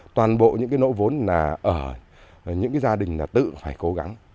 toàn bộ những cái nỗ vốn là ở những cái gia đình là tự phải cố gắng